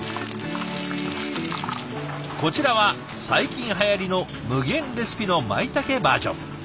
こちらは最近はやりの無限レシピのまいたけバージョン。